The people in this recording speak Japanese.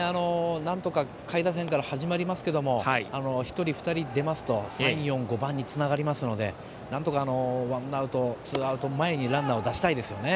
下位打線から始まりますけども１人、２人出ますと３、４、５番につながりますのでなんとかワンアウトツーアウト前になんとかランナーを出したいですよね。